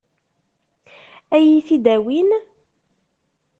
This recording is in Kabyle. Ad iyi-t-id-awin?